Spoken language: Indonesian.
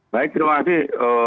baik terima kasih